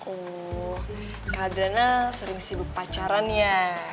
oh kak adriana sering sibuk pacaran ya